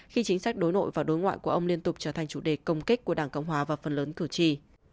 khi chính sách đối nội và đối ngoại của ông liên tục trở thành chủ đề công kích của đảng cộng hòa và phần lớn cử tri